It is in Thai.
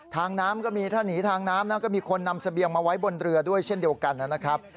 ทางน้ำก็มีถ้าหนีทางน้ำนะก็มีคนนำเสบียงมาไว้บนเรือด้วยเช่นเดียวกันนะครับ